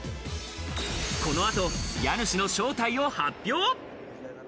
この後、家主の正体を発表。